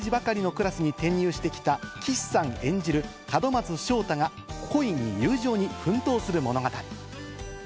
映画は問題児ばかりのクラスに編入してきた岸さん演じる門松勝太が恋に友情に奮闘する物語。